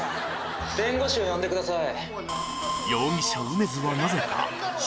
弁護士を呼んでください。